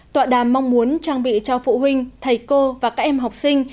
tọa đàm mong muốn trang bị cho phụ huynh thầy cô và các em học sinh